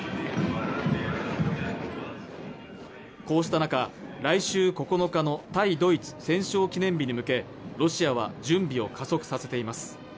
こうした中、来週９日の対ドイツ戦勝記念日に向けロシアは準備を加速させています